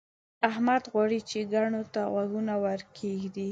احمد غواړي چې کڼو ته غوږونه ورکېږدي.